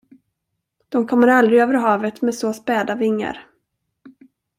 De kommer aldrig över havet med så späda vingar.